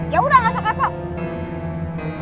ya udah gak usah kata